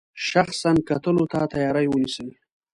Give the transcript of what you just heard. شخصا کتلو ته تیاری ونیسي.